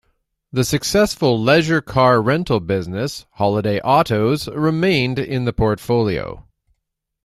The successful leisure car rental business, Holiday Autos, remained in the portfolio.